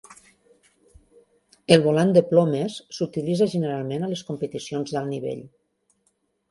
El volant de plomes s'utilitza generalment a les competicions d'alt nivell.